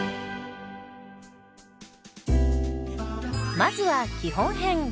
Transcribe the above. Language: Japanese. まずは基本編。